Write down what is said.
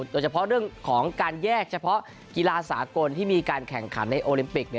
โดยเฉพาะเรื่องของการแยกเฉพาะกีฬาสากลที่มีการแข่งขันในโอลิมปิก